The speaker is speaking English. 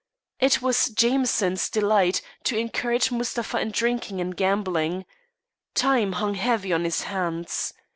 It was Jameson's delight to encourage Mustapha in drinking and gambling. Time hung heavy on his hands.